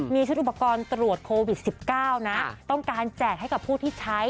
มีชุดอุปกรณ์ตรวจโควิด๑๙นะต้องการแจกให้กับผู้ที่ใช้